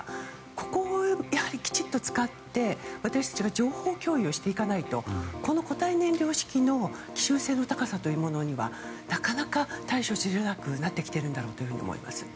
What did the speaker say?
ここをきちっと使って私たちが情報共有していかないとこの固体燃料式の奇襲性の高さというものにはなかなか対処しづらくなってきているんだろうと思います。